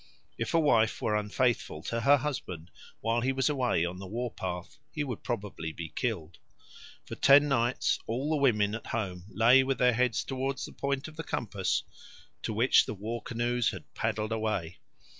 If a wife were unfaithful to her husband while he was away on the war path, he would probably be killed. For ten nights all the women at home lay with their heads towards the point of the compass to which the war canoes had paddled away.